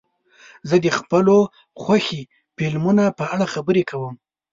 زه د خپلو خوښې فلمونو په اړه خبرې کوم.